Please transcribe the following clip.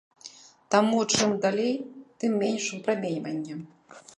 Таму чым далей, тым менш выпраменьвання.